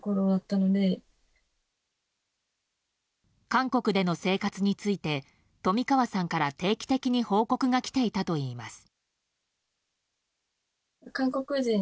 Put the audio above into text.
韓国での生活について冨川さんから定期的に報告が来ていたといいます。